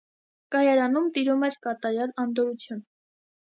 Կայարանում տիրում էր կատարյալ անդորրություն: